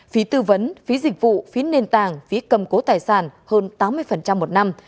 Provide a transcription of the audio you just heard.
phí tư vấn phí dịch vụ phí nền tàng phí cầm cố tài sản hơn tám mươi một năm